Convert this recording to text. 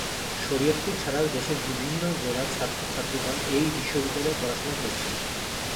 শরীয়তপুর ছাড়া দেশের বিভিন্ন জেলার ছাত্র-ছাত্রী গণ এই বিশ্ববিদ্যালয়ে পড়াশোনা করছে।